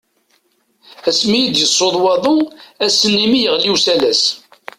Asmi i d-yessuḍ waḍu, ass-nni mi yeɣli usalas.